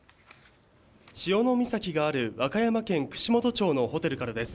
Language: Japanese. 潮岬がある和歌山県串本町のホテルからです。